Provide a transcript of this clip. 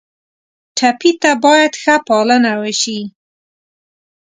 ټپي ته باید ښه پالنه وشي.